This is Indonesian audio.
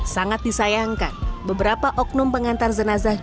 sangat disayangkan beberapa oknum pengantar jenazah justru berubah